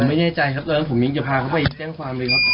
ไม่แน่ใจครับตอนนั้นผมยังจะพาเขาไปแจ้งความเลยครับ